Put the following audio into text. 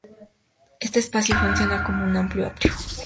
Este espacio funciona como un amplio atrio.